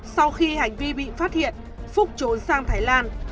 sau khi hành vi bị phát hiện phúc trốn sang thái lan